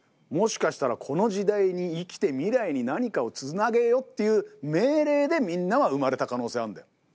もしかしたらこの時代に生きて未来に何かをつなげよっていう命令でみんなは生まれた可能性あんだよ。